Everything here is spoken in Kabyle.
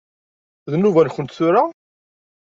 D nnuba-nkent tura?